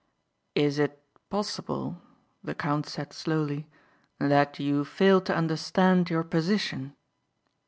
"Is it possible," the count said slowly, "that you fail to understand your position?"